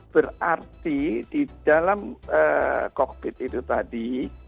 berarti di dalam kokpit itu tadi